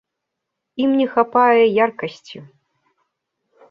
Ім не хапае яркасці.